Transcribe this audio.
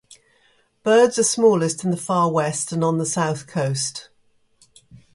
Birds are smallest in the far west and on the south coast.